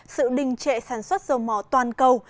sự đình trệ sản xuất dầu mỏ toàn cầu